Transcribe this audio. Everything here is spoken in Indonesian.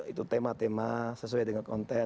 itu tema tema sesuai dengan konten